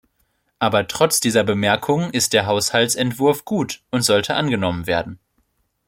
Aber trotz dieser Bemerkungen ist der Haushaltsentwurf gut und sollte angenommen werden.